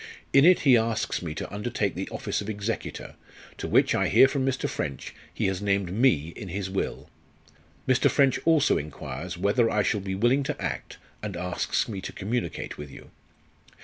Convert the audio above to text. In it he asks me to undertake the office of executor, to which, I hear from Mr. French, he has named me in his will. Mr. French also enquires whether I shall be willing to act, and asks me to communicate with you.